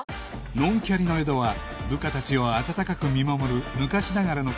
ノンキャリの江戸は部下たちを温かく見守る昔ながらの刑事